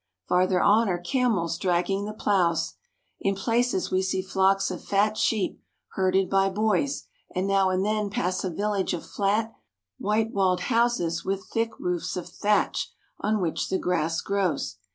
Farther on are camels dragging the ploughs. In places we see flocks of fat sheep, herded by boys, and now and then pass a village of flat, white walled houses with thick roofs of thatch on which the grass grows.